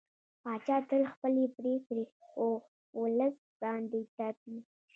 پاچا تل خپلې پرېکړې په ولس باندې تپي.